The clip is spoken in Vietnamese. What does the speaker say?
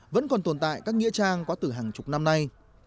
vẫn còn tồn tại các nghĩa trang có từ hàng chục năm nay